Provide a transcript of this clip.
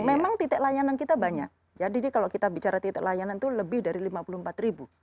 memang titik layanan kita banyak jadi kalau kita bicara titik layanan itu lebih dari lima puluh empat ribu